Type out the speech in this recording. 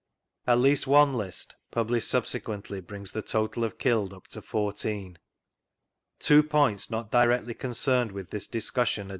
At least one list, published subsequently, brings the total of killed up to fourteen. Two points not directly concerned with this discussion are